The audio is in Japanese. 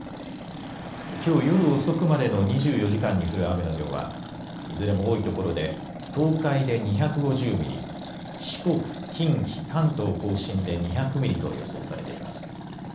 きょう夜遅くまでの２４時間に降る雨の量はいずれも多い所で東海で２５０ミリ四国、近畿関東甲信で２００ミリと予想されています。